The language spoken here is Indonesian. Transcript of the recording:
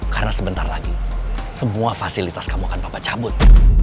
karena sebentar lagi semua fasilitas kamu akan bapak cabut